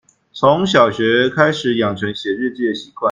從小學開始養成寫日記的習慣